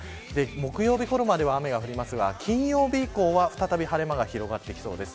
木曜日ごろまでは雨が降りますが金曜日以降は、再び晴れ間が広がってきそうです。